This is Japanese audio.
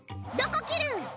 どこきる。